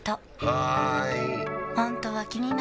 はーい！